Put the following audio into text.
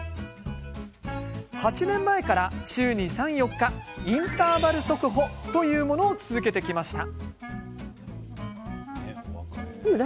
８年前から週に３、４日インターバル速歩というものを続けてきました。